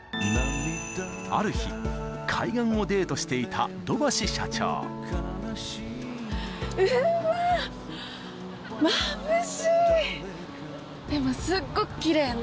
［ある日海岸をデートしていた土橋社長］でもすっごく奇麗ね。